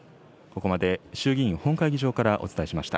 ここまで衆議院本会議場からお伝えしました。